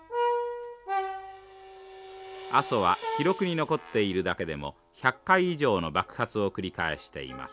阿蘇は記録に残っているだけでも１００回以上の爆発を繰り返しています。